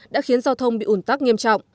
đã khiến giao thông bị ủn tắc nghiêm trọng